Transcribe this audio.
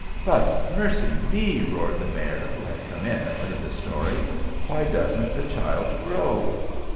"But, mercy me!" roared the Mayor, who had come in and heard the story, "why doesn't the child grow?"